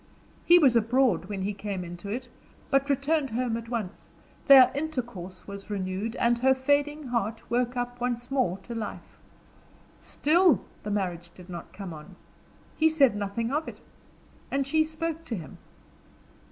He was abroad when he came into it, but returned home at once; their intercourse was renewed, and her fading heart woke up once more to life. Still, the marriage did not come on; he said nothing of it, and she spoke to him.